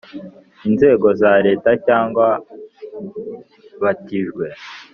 inzego za Leta cyangwa batijwe